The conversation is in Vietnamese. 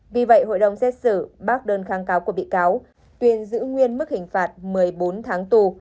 vì vậy hội đồng xét xử bác đơn kháng cáo của bị cáo tuyên giữ nguyên mức hình phạt một mươi bốn tháng tù